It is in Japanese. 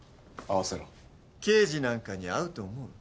会わせろ刑事なんかに会うと思う？